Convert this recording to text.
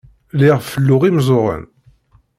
Lliɣ felluɣ imeẓẓuɣen.